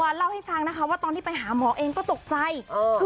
จัตัวเล่าให้ฟังว่าตอนที่ไปหาหมอเองก็ตกใจมันเกิดขดงรบหน่อย